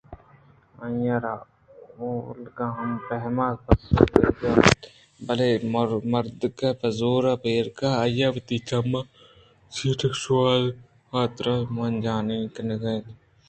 آئی ءَ را اولگا ہما پیم ءَ پسو دیگ ءَ اَت بلئے مردک پہ زور پیژگاہ ءَ آہگ ءُ وتی چماں چیزے شوہازگ ءِحاترا مانجائی کنگءَ اَت